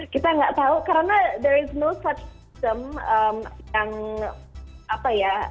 kita nggak tahu karena there is no such system yang apa ya